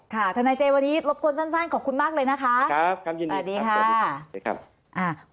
ค่ะธนายเจวันนี้รบกวนสั้นขอบคุณมากเลยนะคะสวัสดีค่ะบ๊วยเจอบ